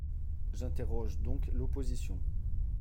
J’interroge donc l’opposition.